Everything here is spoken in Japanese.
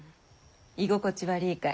居心地悪いかい？